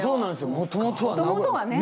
もともとはね。